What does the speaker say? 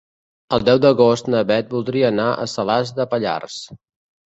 El deu d'agost na Beth voldria anar a Salàs de Pallars.